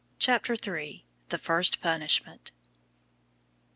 CHAPTER III. THE FIRST PUNISHMENT.